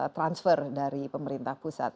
transfer dari pemerintah pusat